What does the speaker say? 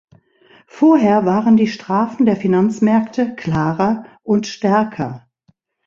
Vorher waren die Strafen der Finanzmärkte klarer und stärker.